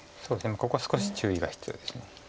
ここは少し注意が必要です。